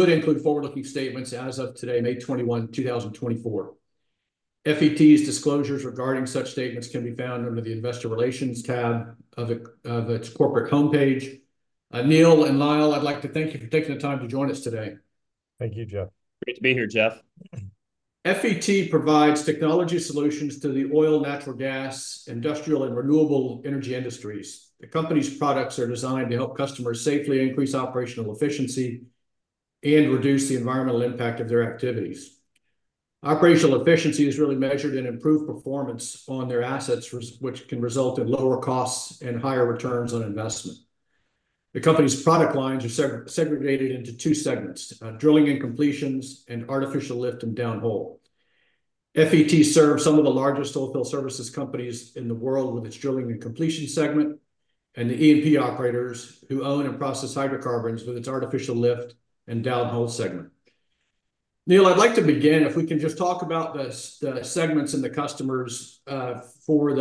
could include forward-looking statements as of today, May 21, 2024. FET's disclosures regarding such statements can be found under the Investor Relations tab of its corporate homepage. Neal and Lyle, I'd like to thank you for taking the time to join us today. Thank you, Jeff. Great to be here, Jeff. FET provides technology solutions to the oil, natural gas, industrial, and renewable energy industries. The company's products are designed to help customers safely increase operational efficiency and reduce the environmental impact of their activities. Operational efficiency is really measured in improved performance on their assets, which can result in lower costs and higher returns on investment. The company's product lines are segregated into two segments, Drilling and Completions, and Artificial Lift and Downhole. FET serves some of the largest oilfield services companies in the world with its drilling and completion segment, and the E&P operators who own and process hydrocarbons with its Artificial Lift and Downhole segment. Neal, I'd like to begin, if we can just talk about the segments and the customers for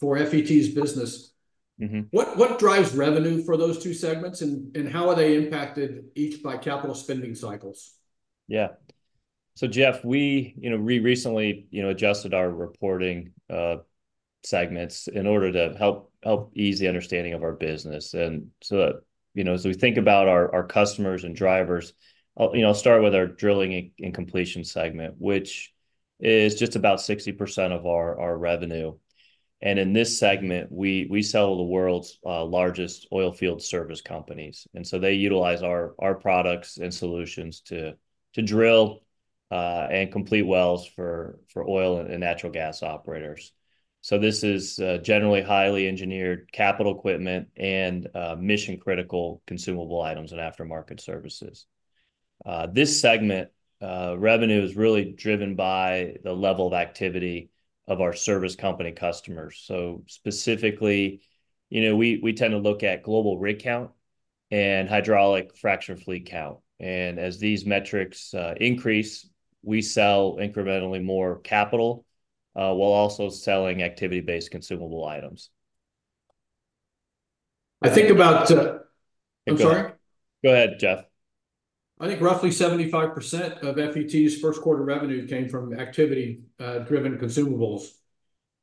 FET's business. Mm-hmm. What drives revenue for those two segments, and how are they impacted each by capital spending cycles? Yeah. So Jeff, we, you know, we recently, you know, adjusted our reporting segments in order to help ease the understanding of our business. And so, you know, as we think about our customers and drivers, I'll, you know, start with our Drilling and Completions segment, which is just about 60% of our revenue. And in this segment, we sell to the world's largest oilfield service companies, and so they utilize our products and solutions to drill and complete wells for oil and natural gas operators. So this is generally highly engineered capital equipment and mission-critical consumable items and aftermarket services. This segment revenue is really driven by the level of activity of our service company customers. So specifically, you know, we tend to look at global rig count and hydraulic fracture fleet count. As these metrics increase, we sell incrementally more capital, while also selling activity-based consumable items. I think about, I'm sorry? Go ahead, Jeff. I think roughly 75% of FET's first quarter revenue came from activity driven consumables.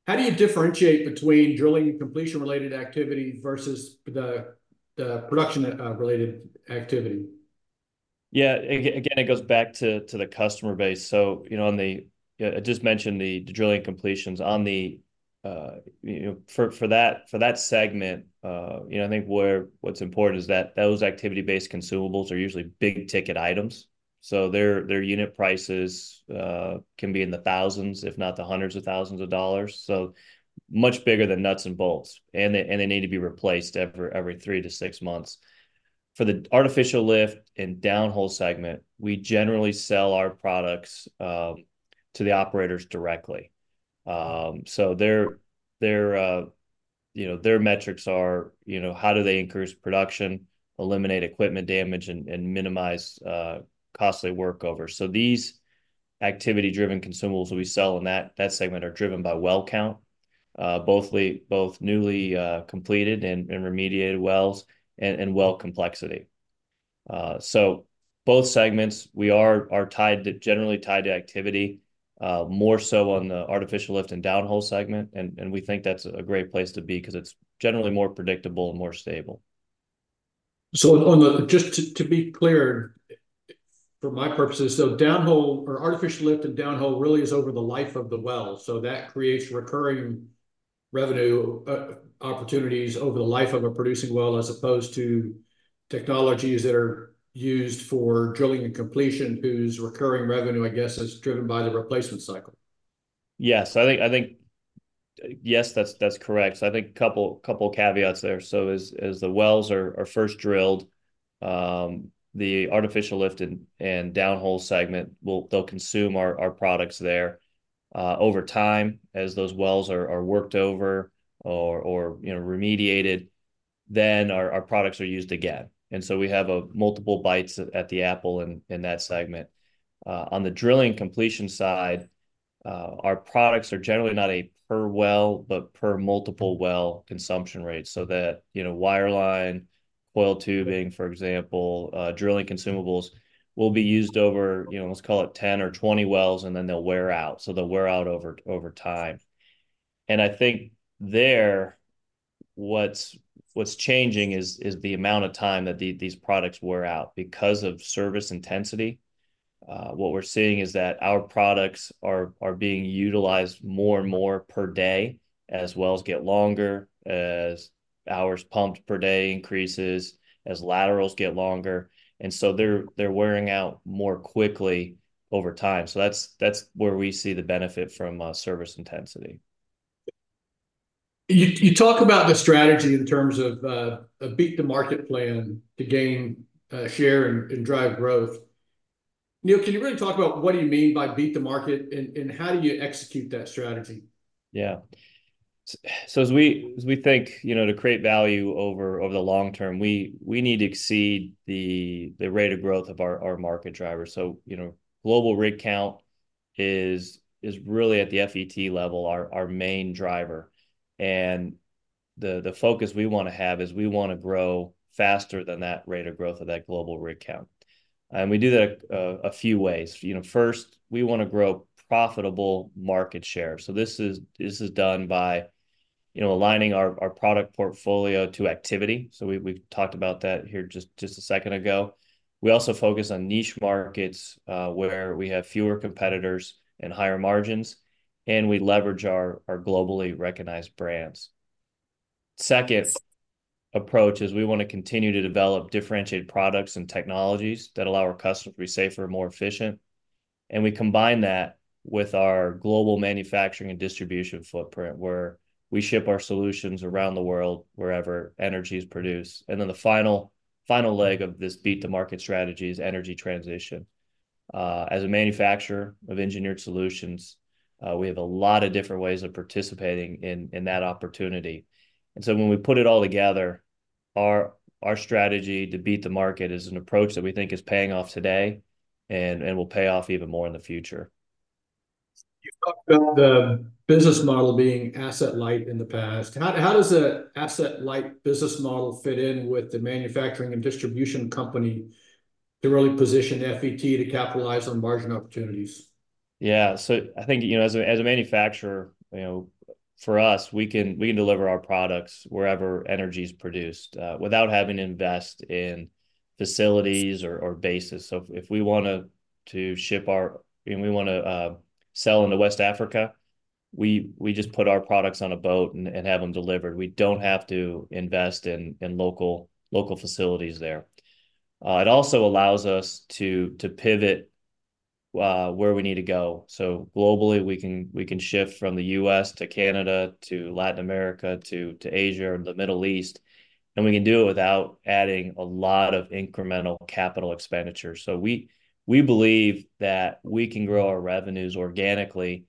How do you differentiate between drilling and completion-related activity versus the production related activity? Yeah, again, it goes back to the customer base. So, you know, yeah, I just mentioned the Drilling and Completions. On the, you know, for that segment, you know, I think what's important is that those activity-based consumables are usually big-ticket items, so their unit prices can be in the thousands, if not the hundreds of thousands of dollars. So much bigger than nuts and bolts, and they need to be replaced every 3-6 months. For the Artificial Lift and Downhole segment, we generally sell our products to the operators directly. So their metrics are, you know, how do they increase production, eliminate equipment damage, and minimize costly workovers? So these activity-driven consumables we sell in that, that segment are driven by well count, both newly completed and remediated wells and well complexity. So both segments, we are tied to—generally tied to activity, more so on the Artificial Lift and Downhole segment, and we think that's a great place to be, 'cause it's generally more predictable and more stable. So on the—just to be clear, for my purposes, so downhole or Artificial Lift and Downhole really is over the life of the well, so that creates recurring revenue opportunities over the life of a producing well, as opposed to technologies that are used for drilling and completion, whose recurring revenue, I guess, is driven by the replacement cycle. Yes, I think... Yes, that's correct. So I think a couple of caveats there: so as the wells are first drilled, the Artificial Lift and Downhole segment will—they'll consume our products there. Over time, as those wells are worked over or, you know, remediated, then our products are used again, and so we have multiple bites at the apple in that segment. On the Drilling and Completions side, our products are generally not per well, but per multiple well consumption rate, so that, you know, wireline, coiled tubing, for example, drilling consumables will be used over, you know, let's call it 10 or 20 wells, and then they'll wear out. So they'll wear out over time. I think there, what's changing is the amount of time that these products wear out. Because of service intensity, what we're seeing is that our products are being utilized more and more per day as wells get longer, as hours pumped per day increases, as laterals get longer, and so they're wearing out more quickly over time. So that's where we see the benefit from, service intensity. You, you talk about the strategy in terms of a Beat the Market plan to gain share and drive growth. Neal, can you really talk about what do you mean by Beat the Market, and how do you execute that strategy? Yeah. So as we think, you know, to create value over the long term, we need to exceed the rate of growth of our market drivers. So, you know, global rig count is really, at the FET level, our main driver. The focus we want to have is we want to grow faster than that rate of growth of that global rig count, and we do that a few ways. You know, first, we want to grow profitable market share. So this is done by, you know, aligning our product portfolio to activity. So we've talked about that here just a second ago. We also focus on niche markets where we have fewer competitors and higher margins, and we leverage our globally recognized brands. Second approach is we want to continue to develop differentiated products and technologies that allow our customers to be safer and more efficient. And we combine that with our global manufacturing and distribution footprint, where we ship our solutions around the world, wherever energy is produced. And then the final, final leg of this Beat the Market strategy is energy transition. As a manufacturer of engineered solutions, we have a lot of different ways of participating in, in that opportunity. And so when we put it all together, our, our strategy to Beat the Market is an approach that we think is paying off today and, and will pay off even more in the future. You've talked about the business model being asset-light in the past. How, how does an asset-light business model fit in with the manufacturing and distribution company to really position FET to capitalize on margin opportunities? Yeah. So I think, you know, as a manufacturer, you know, for us, we can deliver our products wherever energy's produced, without having to invest in facilities or bases. So if we wanna sell into West Africa, we just put our products on a boat and have them delivered. We don't have to invest in local facilities there. It also allows us to pivot where we need to go. So globally, we can shift from the U.S. to Canada to Latin America, to Asia, or the Middle East, and we can do it without adding a lot of incremental capital expenditure. So we believe that we can grow our revenues organically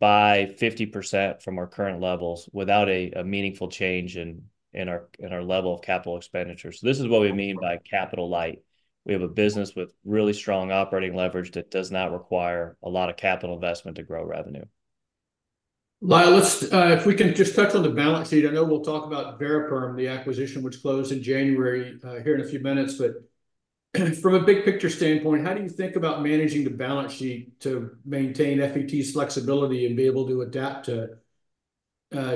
by 50% from our current levels, without a meaningful change in our level of capital expenditure. So this is what we mean by capital light. We have a business with really strong operating leverage that does not require a lot of capital investment to grow revenue. Lyle, let's, if we can just touch on the balance sheet. I know we'll talk about VariPerm, the acquisition which closed in January, here in a few minutes. But from a big picture standpoint, how do you think about managing the balance sheet to maintain FET's flexibility and be able to adapt to,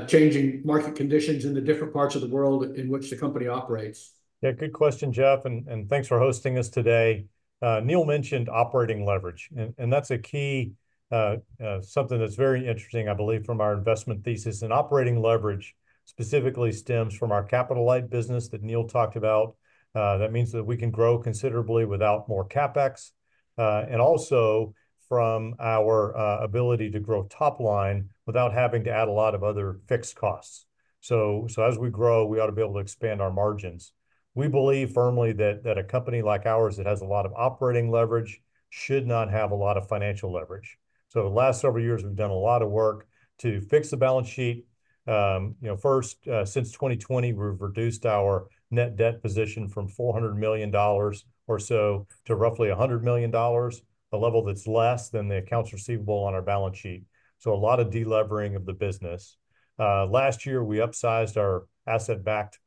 changing market conditions in the different parts of the world in which the company operates? Yeah, good question, Jeff, and thanks for hosting us today. Neal mentioned operating leverage, and that's a key something that's very interesting, I believe, from our investment thesis. And operating leverage specifically stems from our capital light business that Neal talked about, that means that we can grow considerably without more CapEx, and also from our ability to grow top line without having to add a lot of other fixed costs. So as we grow, we ought to be able to expand our margins. We believe firmly that a company like ours that has a lot of operating leverage should not have a lot of financial leverage. So the last several years, we've done a lot of work to fix the balance sheet. You know, first, since 2020, we've reduced our net debt position from $400 million or so to roughly $100 million, a level that's less than the accounts receivable on our balance sheet, so a lot of delevering of the business. Last year, we upsized our asset-backed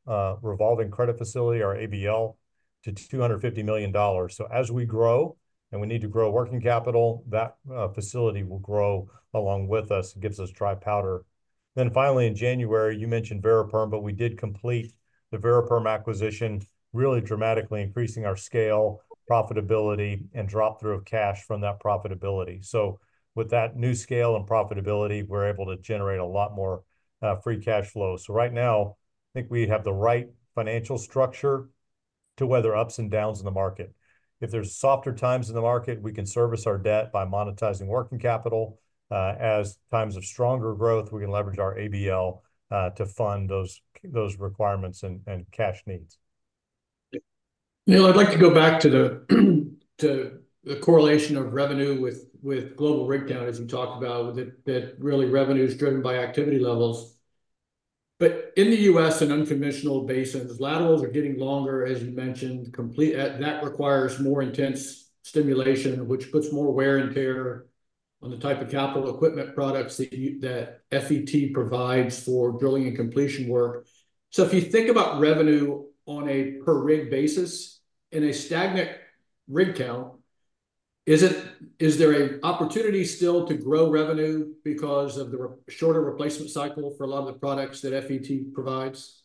revolving credit facility, our ABL, to $250 million. So as we grow, and we need to grow working capital, that facility will grow along with us. It gives us dry powder. Then finally, in January, you mentioned VariPerm, but we did complete the VariPerm acquisition, really dramatically increasing our scale, profitability, and drop through of cash from that profitability. So with that new scale and profitability, we're able to generate a lot more free cash flow. So right now, I think we have the right financial structure to weather ups and downs in the market. If there's softer times in the market, we can service our debt by monetizing working capital. As times of stronger growth, we can leverage our ABL to fund those requirements and cash needs. Neal, I'd like to go back to the correlation of revenue with global rig count, as you talked about, with that, that really revenue is driven by activity levels. But in the U.S. and unconventional basins, laterals are getting longer, as you mentioned, completion that requires more intense stimulation, which puts more wear and tear on the type of capital equipment products that you, that FET provides for drilling and completion work. So if you think about revenue on a per-rig basis in a stagnant rig count, is there a opportunity still to grow revenue because of the shorter replacement cycle for a lot of the products that FET provides?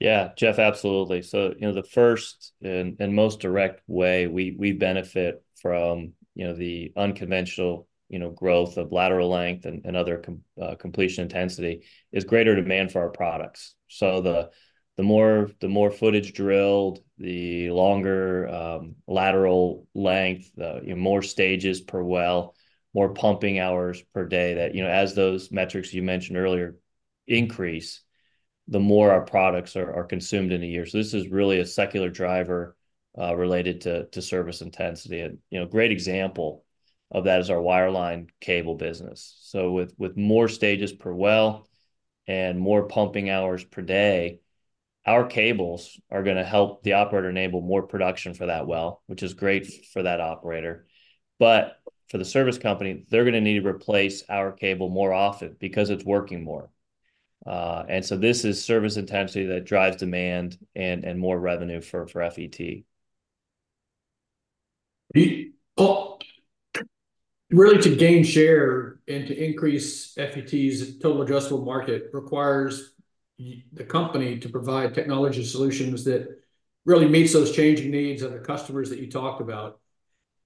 Yeah, Jeff, absolutely. So, you know, the first and most direct way we benefit from, you know, the unconventional, you know, growth of lateral length and other completion intensity, is greater demand for our products. So the more footage drilled, the longer lateral length, you know, more stages per well, more pumping hours per day, that, you know, as those metrics you mentioned earlier increase, the more our products are consumed in a year. So this is really a secular driver related to service intensity. And, you know, a great example of that is our wireline cable business. So with more stages per well and more pumping hours per day, our cables are gonna help the operator enable more production for that well, which is great for that operator. But for the service company, they're gonna need to replace our cable more often because it's working more. And so this is service intensity that drives demand and more revenue for FET. The really to gain share and to increase FET's total addressable market requires the company to provide technology solutions that really meets those changing needs of the customers that you talked about.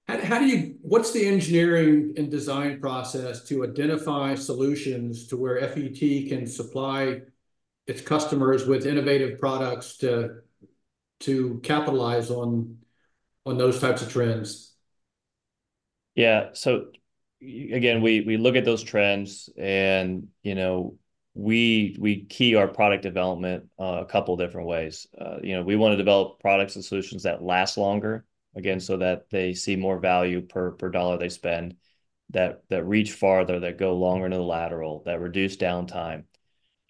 How do you-- what's the engineering and design process to identify solutions to where FET can supply its customers with innovative products to capitalize on those types of trends? Yeah. So, again, we look at those trends and, you know, we key our product development a couple different ways. You know, we wanna develop products and solutions that last longer, again, so that they see more value per dollar they spend, that reach farther, that go longer into the lateral, that reduce downtime.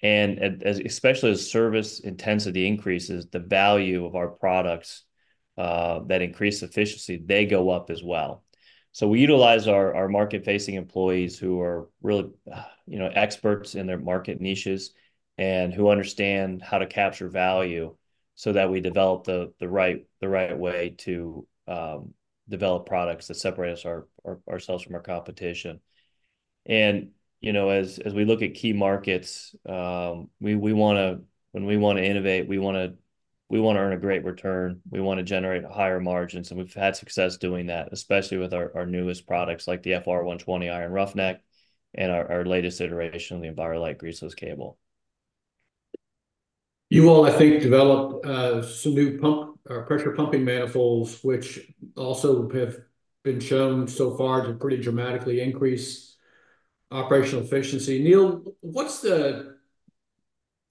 And especially as service intensity increases, the value of our products that increase efficiency, they go up as well. So we utilize our market-facing employees, who are really, you know, experts in their market niches, and who understand how to capture value so that we develop the right way to develop products that separate ourselves from our competition. And, you know, as we look at key markets, we wanna... When we wanna innovate, we wanna, we wanna earn a great return, we wanna generate higher margins. And we've had success doing that, especially with our, our newest products, like the FR120 Iron Roughneck and our, our latest iteration, the Enviro-Lite Greaseless Cable. You all, I think, developed some new pump pressure pumping manifolds, which also have been shown so far to pretty dramatically increase operational efficiency. Neal,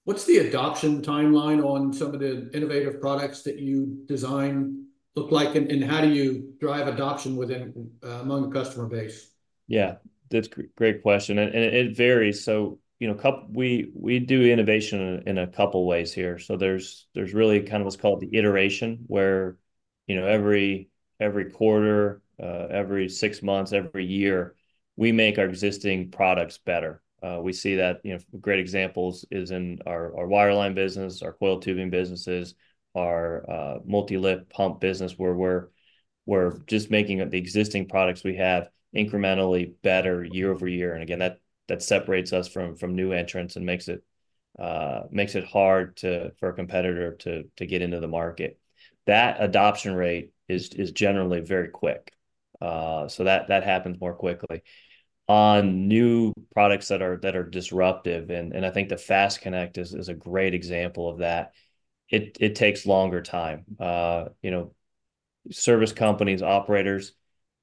what's the adoption timeline on some of the innovative products that you design look like, and how do you drive adoption within among the customer base? Yeah, that's a great question, and it varies. So, you know, we do innovation in a couple ways here. So there's really kind of what's called the iteration, where, you know, every quarter, every six months, every year, we make our existing products better. We see that, you know, great examples is in our wireline business, our coiled tubing businesses, our MultiLift pump business, where we're just making the existing products we have incrementally better year-over-year. And again, that separates us from new entrants and makes it hard for a competitor to get into the market. That adoption rate is generally very quick, so that happens more quickly. On new products that are disruptive, and I think the FastConnect is a great example of that. It takes longer time. You know, service companies, operators,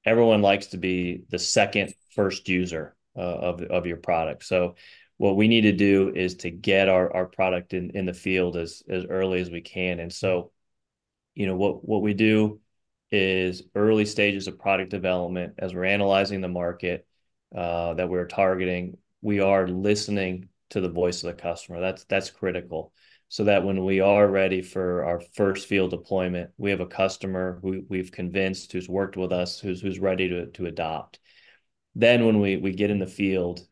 everyone likes to be the second first user of your product. So what we need to do is to get our product in the field as early as we can. And so, you know, what we do is, early stages of product development, as we're analyzing the market that we're targeting, we are listening to the voice of the customer. That's critical. So that when we are ready for our first field deployment, we have a customer who we've convinced, who's worked with us, who's ready to adopt. Then, when we get in the field,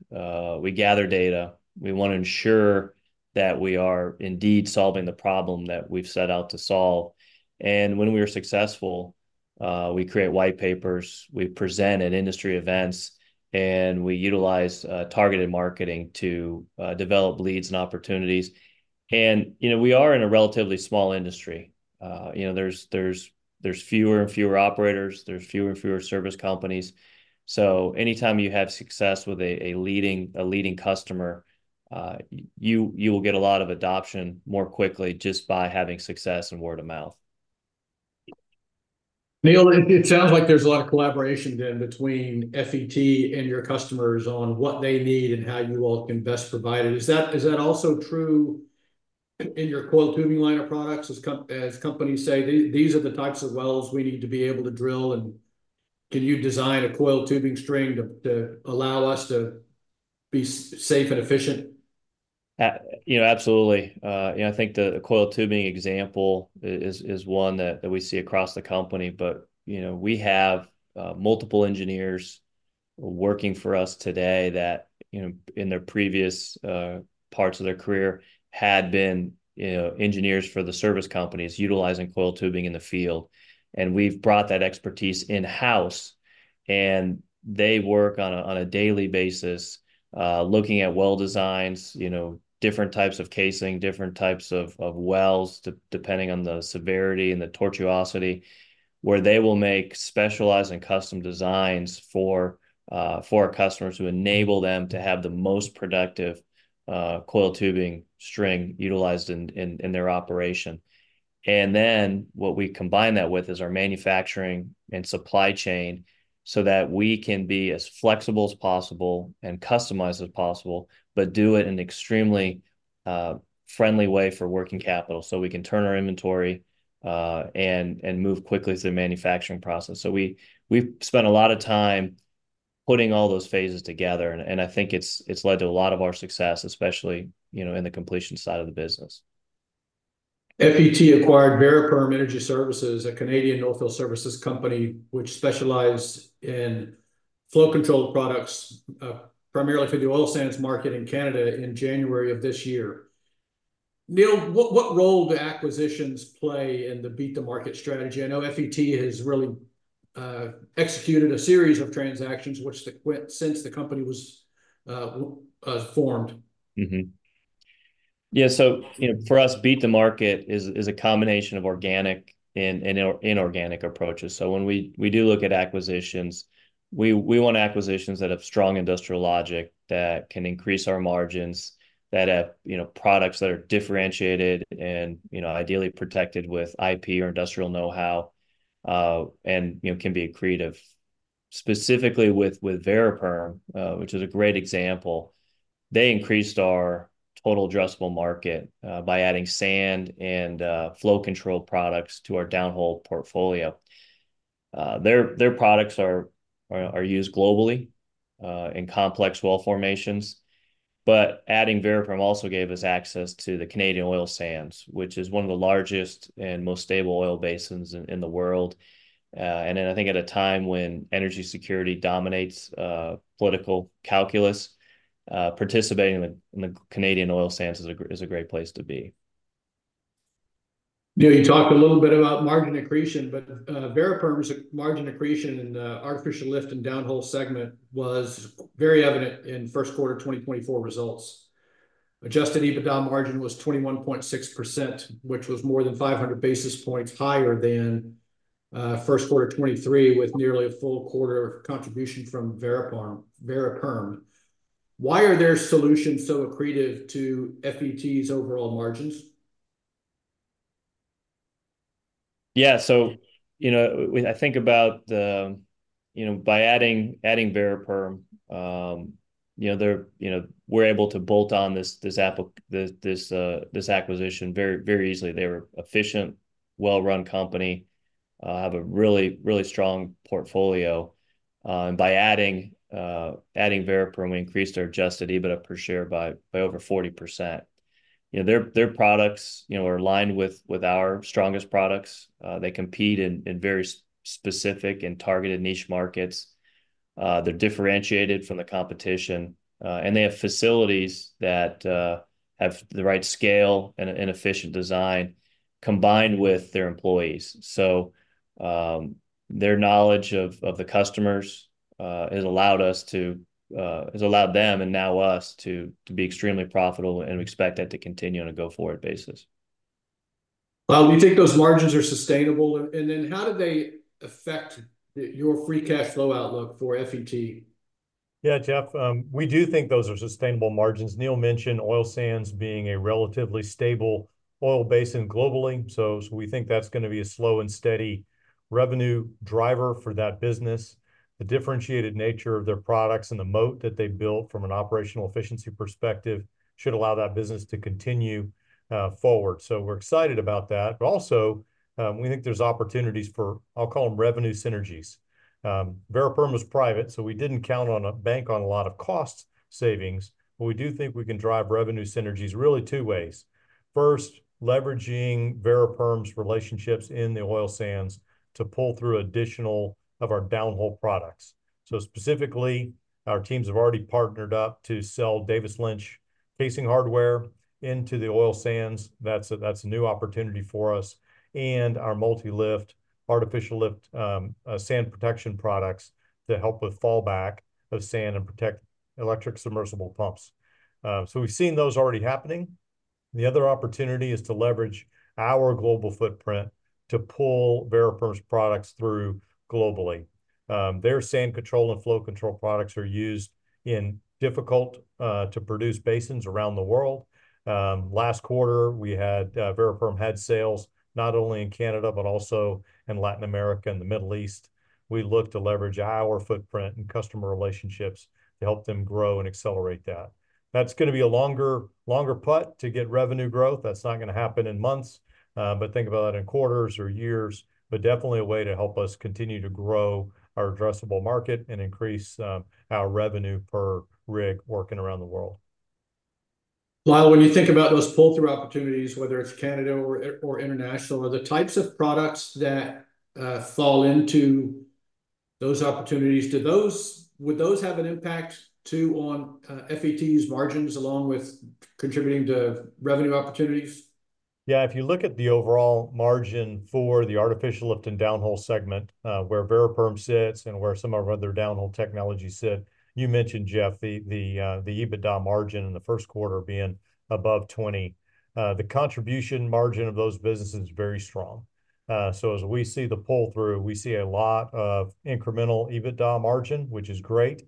we gather data. We wanna ensure that we are indeed solving the problem that we've set out to solve. And when we are successful, we create white papers, we present at industry events, and we utilize targeted marketing to develop leads and opportunities. And, you know, we are in a relatively small industry. You know, there's fewer and fewer operators, there's fewer and fewer service companies. So anytime you have success with a leading customer, you will get a lot of adoption more quickly, just by having success and word of mouth. Neal, it sounds like there's a lot of collaboration then between FET and your customers on what they need and how you all can best provide it. Is that also true in your coiled tubing line of products, as companies say, "These are the types of wells we need to be able to drill, and can you design a coiled tubing string to allow us to be safe and efficient? You know, absolutely. You know, I think the coiled tubing example is one that we see across the company. But, you know, we have multiple engineers working for us today that, you know, in their previous parts of their career had been, you know, engineers for the service companies, utilizing coiled tubing in the field. And we've brought that expertise in-house, and they work on a daily basis looking at well designs, you know, different types of casing, different types of wells, depending on the severity and the tortuosity, where they will make specialized and custom designs for our customers, to enable them to have the most productive coiled tubing string utilized in their operation. And then, what we combine that with is our manufacturing and supply chain so that we can be as flexible as possible and customized as possible, but do it in an extremely friendly way for working capital, so we can turn our inventory and move quickly through the manufacturing process. So we, we've spent a lot of time putting all those phases together, and I think it's led to a lot of our success, especially, you know, in the completion side of the business. FET acquired VariPerm Energy Services, a Canadian oilfield services company which specialized in flow control products, primarily for the Oil Sands market in Canada, in January of this year. Neal, what, what role do acquisitions play in the Beat the Market strategy? I know FET has really, executed a series of transactions since the company was, formed. Yeah, so, you know, for us, Beat the Market is a combination of organic and inorganic approaches. So when we do look at acquisitions, we want acquisitions that have strong industrial logic, that can increase our margins, that have, you know, products that are differentiated and, you know, ideally protected with IP or industrial know-how, and, you know, can be accretive. Specifically with VariPerm, which is a great example, they increased our total addressable market by adding sand and flow control products to our downhole portfolio. Their products are used globally in complex well formations, but adding VariPerm also gave us access to the Canadian Oil Sands, which is one of the largest and most stable oil basins in the world. And then, I think at a time when energy security dominates political calculus, participating in the Canadian Oil Sands is a great place to be. Neal, you talked a little bit about margin accretion, but, VariPerm's margin accretion in the Artificial Lift and Downhole segment was very evident in first quarter 2024 results. Adjusted EBITDA margin was 21.6%, which was more than 500 basis points higher than, first quarter 2023, with nearly a full quarter of contribution from VariPerm, VariPerm. Why are their solutions so accretive to FET's overall margins? Yeah, so, you know, when I think about, you know, by adding VariPerm, you know, they're. You know, we're able to bolt on this acquisition very easily. They were efficient, well-run company. They have a really strong portfolio. And by adding VariPerm, we increased our Adjusted EBITDA per share by over 40%. You know, their products, you know, are aligned with our strongest products. They compete in very specific and targeted niche markets. They're differentiated from the competition. And they have facilities that have the right scale and efficient design, combined with their employees. Their knowledge of the customers has allowed them, and now us, to be extremely profitable, and we expect that to continue on a go-forward basis. Lyle, do you think those margins are sustainable? And then how do they affect your free cash flow outlook for FET? Yeah, Jeff, we do think those are sustainable margins. Neal mentioned Oil Sands being a relatively stable oil basin globally, so we think that's gonna be a slow and steady revenue driver for that business. The differentiated nature of their products and the moat that they've built from an operational efficiency perspective should allow that business to continue forward. So we're excited about that. But also, we think there's opportunities for, I'll call them, revenue synergies. VariPerm was private, so we didn't bank on a lot of cost savings, but we do think we can drive revenue synergies really two ways. First, leveraging VariPerm's relationships in the Oil Sands to pull through additional of our downhole products. So specifically, our teams have already partnered up to sell Davis-Lynch casing hardware into the Oil Sands. That's a new opportunity for us. Our MultiLift, artificial lift, sand protection products to help with fallback of sand and protect electric submersible pumps. So we've seen those already happening. The other opportunity is to leverage our global footprint to pull VariPerm's products through globally. Their sand control and flow control products are used in difficult to produce basins around the world. Last quarter, VariPerm had sales not only in Canada, but also in Latin America and the Middle East. We look to leverage our footprint and customer relationships to help them grow and accelerate that. That's gonna be a longer, longer putt to get revenue growth. That's not gonna happen in months, but think about that in quarters or years. But definitely a way to help us continue to grow our addressable market and increase our revenue per rig working around the world. Lyle, when you think about those pull-through opportunities, whether it's Canada or international, are the types of products that fall into those opportunities, would those have an impact, too, on FET's margins, along with contributing to revenue opportunities? Yeah, if you look at the overall margin for the Artificial Lift and Downhole segment, where VariPerm sits, and where some of our other downhole technologies sit, you mentioned, Jeff, the EBITDA margin in the first quarter being above 20. The contribution margin of those businesses is very strong. So as we see the pull-through, we see a lot of incremental EBITDA margin, which is great,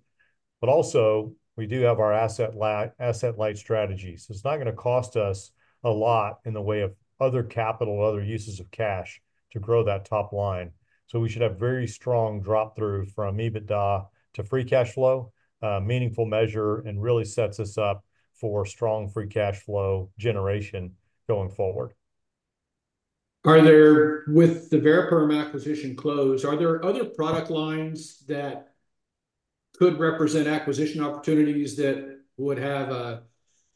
but also we do have our asset-light strategy. So it's not gonna cost us a lot in the way of other capital and other uses of cash to grow that top line. So we should have very strong drop-through from EBITDA to free cash flow, a meaningful measure, and really sets us up for strong free cash flow generation going forward.... Are there, with the VariPerm acquisition closed, are there other product lines that could represent acquisition opportunities that would have a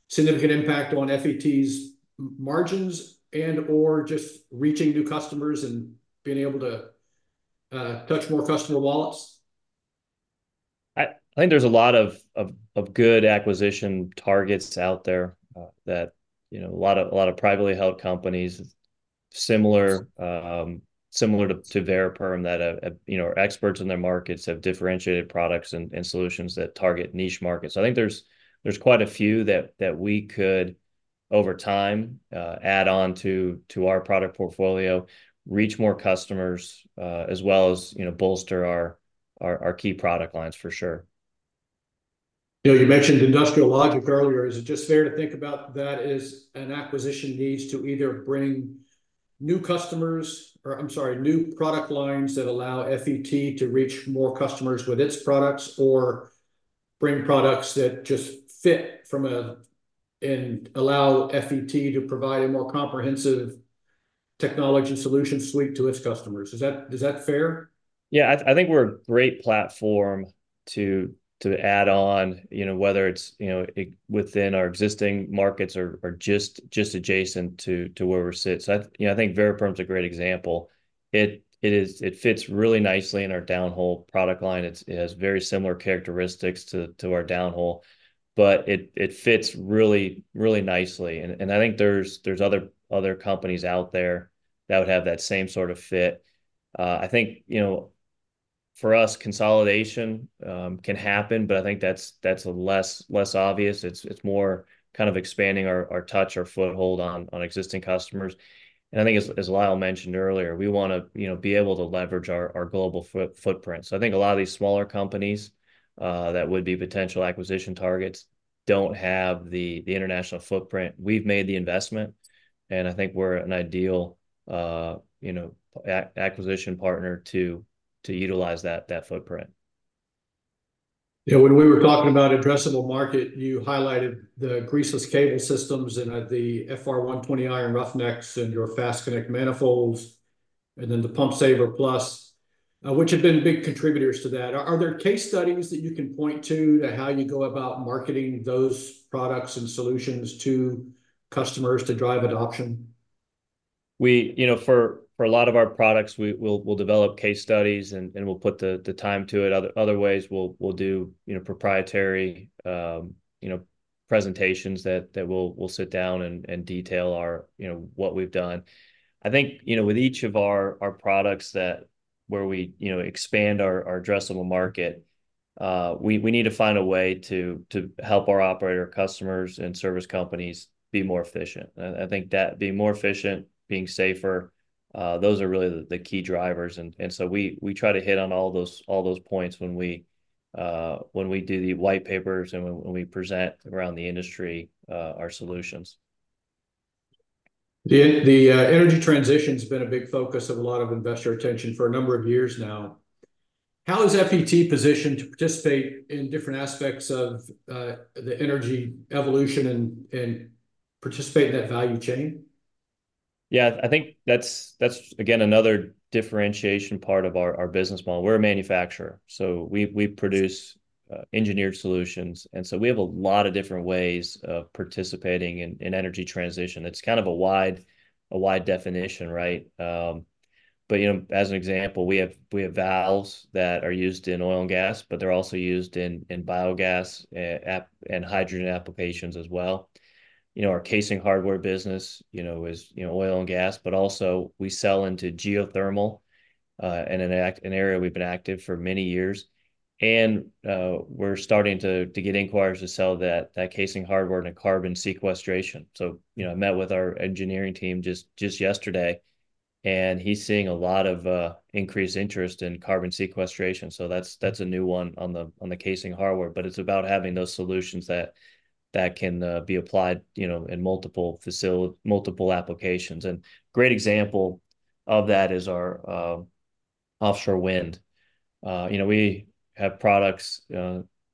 significant impact on FET's margins and/or just reaching new customers and being able to touch more customer wallets? I think there's a lot of good acquisition targets out there, you know, a lot of privately held companies, similar to VariPerm that have, you know, are experts in their markets, have differentiated products and solutions that target niche markets. I think there's quite a few that we could, over time, add on to our product portfolio, reach more customers, as well as, you know, bolster our key product lines for sure. You know, you mentioned Industrial Logic earlier, is it just fair to think about that as an acquisition needs to either bring new customers or, I'm sorry, new product lines that allow FET to reach more customers with its products, or bring products that just fit from a- and allow FET to provide a more comprehensive technology solution suite to its customers? Is that, is that fair? Yeah, I think we're a great platform to add on, you know, whether it's, you know, within our existing markets or just adjacent to where we sit. So I, you know, I think VariPerm's a great example. It fits really nicely in our downhole product line. It has very similar characteristics to our downhole, but it fits really, really nicely, and I think there's other companies out there that would have that same sort of fit. I think, you know, for us, consolidation can happen, but I think that's less obvious. It's more kind of expanding our touch, our foothold on existing customers. And I think, as Lyle mentioned earlier, we wanna, you know, be able to leverage our global footprint. So I think a lot of these smaller companies that would be potential acquisition targets don't have the international footprint. We've made the investment, and I think we're an ideal, you know, acquisition partner to utilize that footprint. Yeah, when we were talking about addressable market, you highlighted the greaseless cable systems, and the FR120 Iron Roughnecks, and your FastConnect manifolds, and then the PumpSaver Plus, which have been big contributors to that. Are there case studies that you can point to, to how you go about marketing those products and solutions to customers to drive adoption? You know, for a lot of our products, we'll develop case studies, and we'll put the time to it. Other ways, we'll do, you know, proprietary presentations that we'll sit down and detail our, you know, what we've done. I think, you know, with each of our products that where we, you know, expand our addressable market, we need to find a way to help our operator, customers, and service companies be more efficient. And I think that being more efficient, being safer, those are really the key drivers. And so we try to hit on all those points when we do the white papers and when we present around the industry our solutions. The energy transition's been a big focus of a lot of investor attention for a number of years now. How is FET positioned to participate in different aspects of the energy evolution and participate in that value chain? Yeah, I think that's again another differentiation part of our business model. We're a manufacturer, so we produce engineered solutions, and so we have a lot of different ways of participating in energy transition. It's kind of a wide definition, right? But you know, as an example, we have valves that are used in oil and gas, but they're also used in biogas and hydrogen applications as well. You know, our casing hardware business, you know, is, you know, oil and gas, but also, we sell into geothermal and an area we've been active for many years. And we're starting to get inquiries to sell that casing hardware and carbon sequestration. So, you know, I met with our engineering team just yesterday, and he's seeing a lot of increased interest in carbon sequestration, so that's a new one on the casing hardware. But it's about having those solutions that can be applied, you know, in multiple applications. And great example of that is our offshore wind. You know, we have products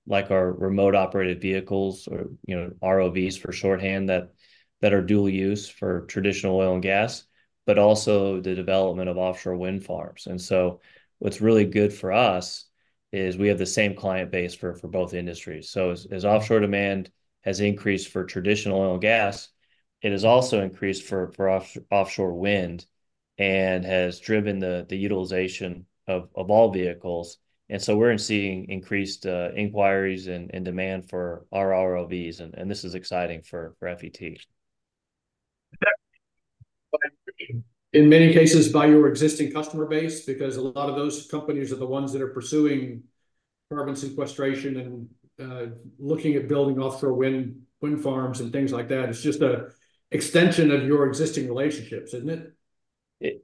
like our remote-operated vehicles or, you know, ROVs for shorthand, that are dual use for traditional oil and gas, but also the development of offshore wind farms. And so what's really good for us is we have the same client base for both industries. So as offshore demand has increased for traditional oil and gas, it has also increased for offshore wind and has driven the utilization of all vehicles. We're seeing increased inquiries and demand for our ROVs, and this is exciting for FET. Is that in many cases, by your existing customer base? Because a lot of those companies are the ones that are pursuing carbon sequestration and looking at building offshore wind, wind farms, and things like that. It's just an extension of your existing relationships, isn't it?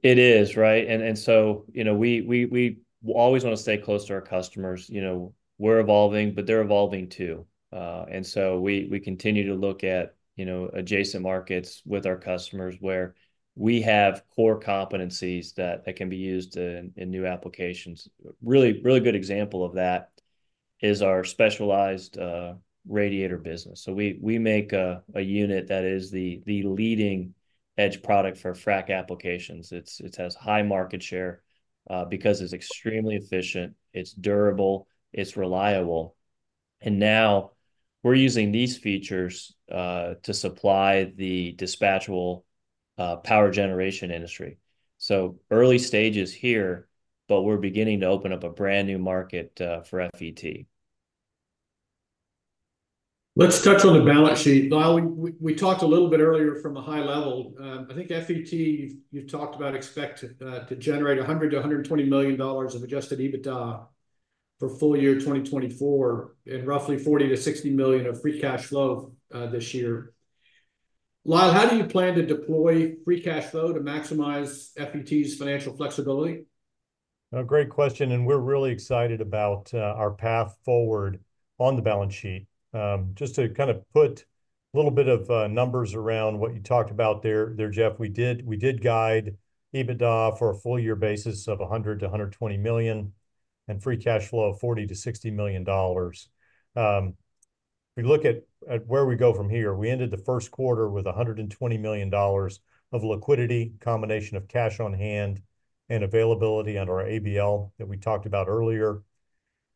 It is, right. And so, you know, we always wanna stay close to our customers. You know, we're evolving, but they're evolving, too. And so we continue to look at, you know, adjacent markets with our customers, where we have core competencies that can be used in new applications. Really good example of that is our specialized radiator business. So we make a unit that is the leading edge product for frack applications. It has high market share, because it's extremely efficient, it's durable, it's reliable, and now we're using these features to supply the dispatchable power generation industry. So early stages here, but we're beginning to open up a brand-new market for FET. Let's touch on the balance sheet. Lyle, we, we talked a little bit earlier from a high level. I think FET, you've, you've talked about expect to generate $100-$120 million of Adjusted EBITDA for full year 2024, and roughly $40-$60 million of free cash flow this year. Lyle, how do you plan to deploy free cash flow to maximize FET's financial flexibility? A great question, and we're really excited about our path forward on the balance sheet. Just to kind of put a little bit of numbers around what you talked about there, Jeff, we did guide EBITDA for a full year basis of $100-$120 million, and free cash flow of $40-$60 million. We look at where we go from here. We ended the first quarter with $120 million of liquidity, combination of cash on hand and availability on our ABL that we talked about earlier.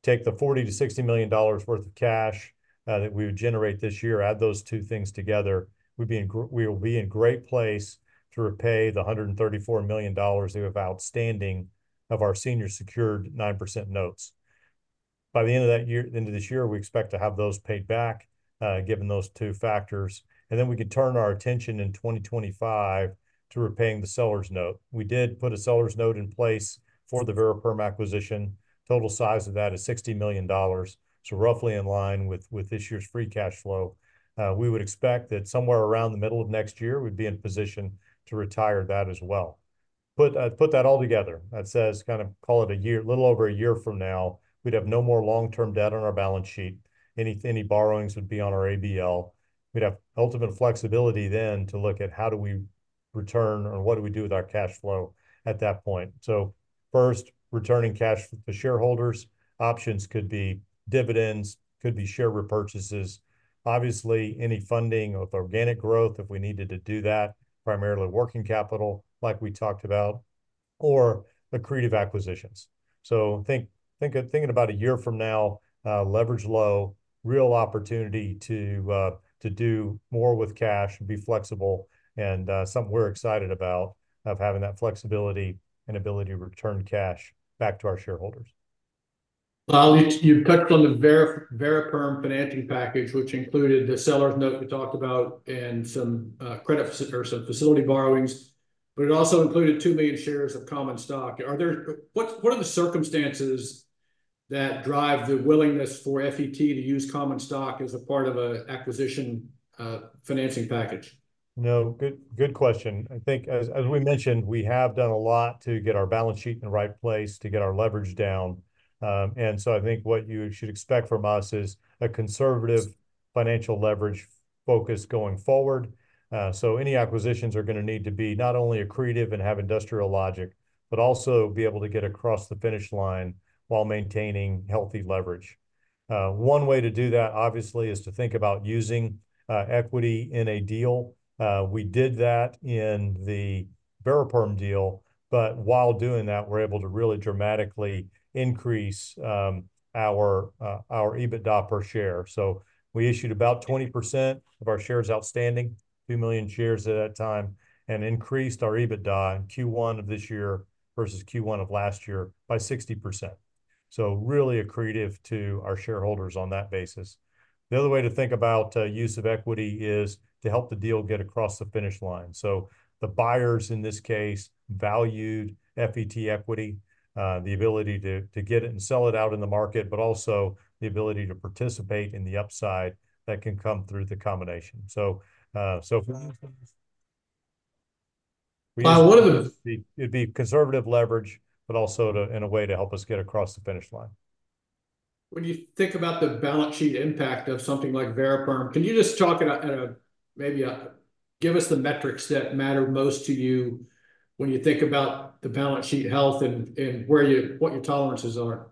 Take the $40-$60 million worth of cash that we would generate this year, add those two things together, we will be in great place to repay the $134 million we have outstanding of our senior secured 9% notes. By the end of that year, the end of this year, we expect to have those paid back, given those two factors, and then we can turn our attention in 2025 to repaying the seller's note. We did put a seller's note in place for the VariPerm acquisition. Total size of that is $60 million, so roughly in line with this year's free cash flow. We would expect that somewhere around the middle of next year we'd be in position to retire that as well. Put that all together, that says, kind of call it a year, a little over a year from now, we'd have no more long-term debt on our balance sheet. Any borrowings would be on our ABL. We'd have ultimate flexibility then to look at how do we return, or what do we do with our cash flow at that point. So first, returning cash to shareholders. Options could be dividends, could be share repurchases. Obviously, any funding of organic growth, if we needed to do that, primarily working capital, like we talked about, or accretive acquisitions. So, thinking about a year from now, leverage low, real opportunity to do more with cash and be flexible, and, something we're excited about, of having that flexibility and ability to return cash back to our shareholders. Lyle, you touched on the VariPerm financing package, which included the seller's note we talked about and some credit facility borrowings, but it also included 2 million shares of common stock. What are the circumstances that drive the willingness for FET to use common stock as a part of a acquisition financing package? No, good, good question. I think as, as we mentioned, we have done a lot to get our balance sheet in the right place, to get our leverage down. And so I think what you should expect from us is a conservative financial leverage focus going forward. So any acquisitions are gonna need to be not only accretive and have industrial logic, but also be able to get across the finish line while maintaining healthy leverage. One way to do that, obviously, is to think about using equity in a deal. We did that in the VariPerm deal, but while doing that, we're able to really dramatically increase our EBITDA per share. So we issued about 20% of our shares outstanding, 2 million shares at that time, and increased our EBITDA in Q1 of this year versus Q1 of last year by 60%. So really accretive to our shareholders on that basis. The other way to think about use of equity is to help the deal get across the finish line. So the buyers, in this case, valued FET equity, the ability to, to get it and sell it out in the market, but also the ability to participate in the upside that can come through the combination. So, so- Lyle, what are the- It'd be conservative leverage, but also in a way, to help us get across the finish line. When you think about the balance sheet impact of something like VariPerm, can you just talk... Give us the metrics that matter most to you when you think about the balance sheet health, and where your—what your tolerances are?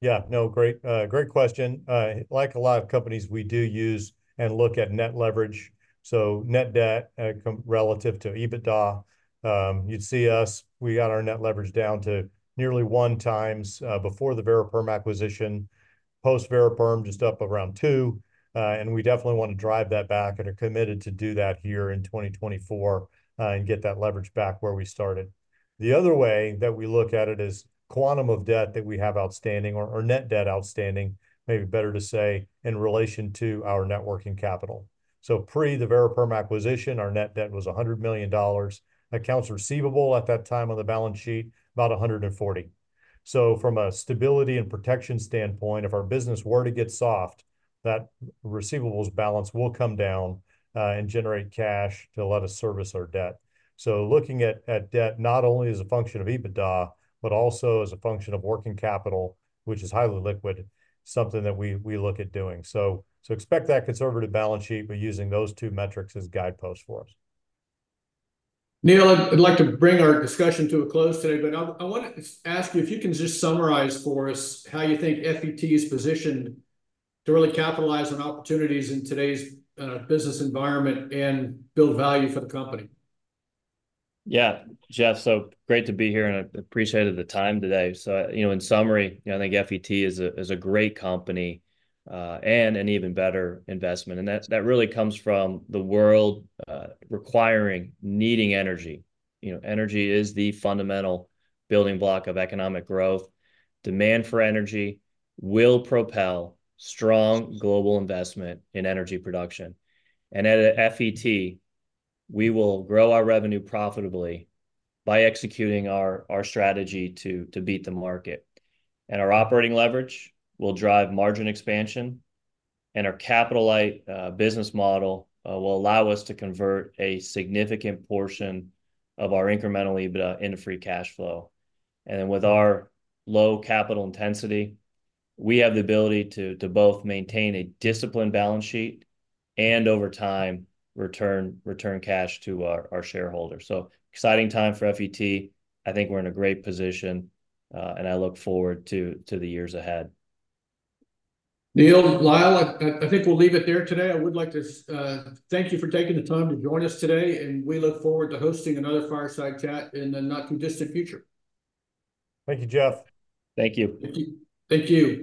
Yeah. No, great, great question. Like a lot of companies, we do use and look at net leverage, so net debt relative to EBITDA. You'd see us, we got our net leverage down to nearly 1x before the VariPerm acquisition. Post-VariPerm, just up around 2x, and we definitely wanna drive that back, and are committed to do that here in 2024, and get that leverage back where we started. The other way that we look at it is quantum of debt that we have outstanding, or net debt outstanding, maybe better to say, in relation to our net working capital. So pre the VariPerm acquisition, our net debt was $100 million. Accounts receivable at that time on the balance sheet, about $140 million. So from a stability and protection standpoint, if our business were to get soft, that receivables balance will come down and generate cash to let us service our debt. So looking at debt not only as a function of EBITDA, but also as a function of working capital, which is highly liquid, something that we look at doing. So expect that conservative balance sheet, but using those two metrics as guideposts for us. Neal, I'd like to bring our discussion to a close today, but I wanna ask you if you can just summarize for us how you think FET is positioned to really capitalize on opportunities in today's business environment and build value for the company. Yeah. Jeff, so great to be here, and I appreciated the time today. So, you know, in summary, you know, I think FET is a, is a great company, and an even better investment, and that, that really comes from the world requiring, needing energy. You know, energy is the fundamental building block of economic growth. Demand for energy will propel strong global investment in energy production, and at FET, we will grow our revenue profitably by executing our, our strategy to, to beat the market. And our operating leverage will drive margin expansion, and our capital-light business model will allow us to convert a significant portion of our incremental EBITDA into free cash flow. And with our low capital intensity, we have the ability to, to both maintain a disciplined balance sheet, and over time, return, return cash to our, our shareholders. So exciting time for FET. I think we're in a great position, and I look forward to the years ahead. Neal, Lyle, I think we'll leave it there today. I would like to thank you for taking the time to join us today, and we look forward to hosting another Fireside Chat in the not-too-distant future. Thank you, Jeff. Thank you. Thank you. Thank you.